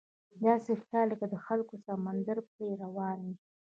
داسې ښکاري لکه د خلکو سمندر پرې روان وي.